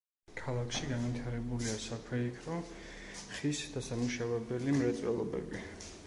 ქალაქში განვითარებულია საფეიქრო, ხის დასამუშავებელი მრეწველობები.